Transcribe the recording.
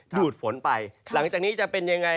ดูดฝนไปหลังจากนี้จะเป็นยังไง